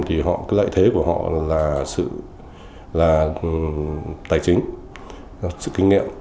thì lợi thế của họ là tài chính sự kinh nghiệm và hệ thống